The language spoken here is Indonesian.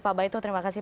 pak baito terima kasih